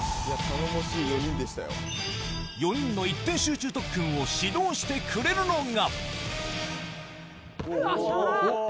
４人の一点集中特訓を指導してくれるのが。